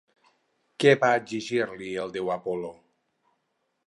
Què va exigir-li el déu Apol·lo?